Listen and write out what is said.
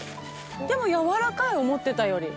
でも柔らかい思ってたより。